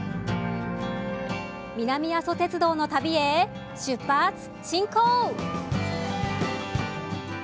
南阿蘇鉄道の旅へ出発進行！